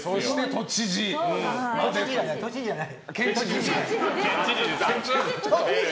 都知事じゃない。